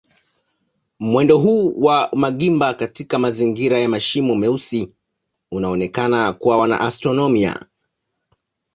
Mwendo huu wa magimba katika mazingira ya mashimo meusi unaonekana kwa wanaastronomia.